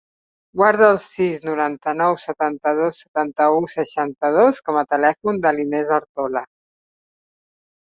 Guarda el sis, noranta-nou, setanta-dos, setanta-u, seixanta-dos com a telèfon de l'Inés Artola.